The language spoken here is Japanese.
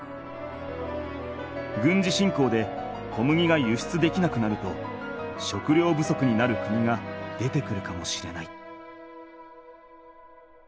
軍事侵攻で小麦が輸出できなくなると食料不足になる国が出てくるかもしれない。